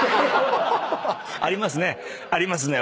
ありますね。